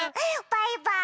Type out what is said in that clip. バイバーイ！